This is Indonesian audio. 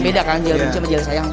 beda kan jahil benci sama jahil sayang